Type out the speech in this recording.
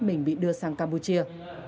mình bị đưa sang campuchia